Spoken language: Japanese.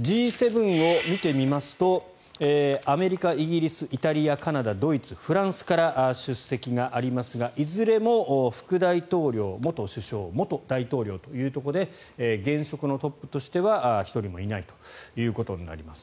Ｇ７を見てみますとアメリカ、イギリス、イタリアカナダ、ドイツ、フランスから出席がありますがいずれも副大統領、元首相元大統領というところで現職のトップとしては１人もいないということになります。